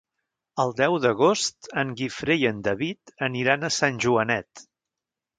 El deu d'agost en Guifré i en David aniran a Sant Joanet.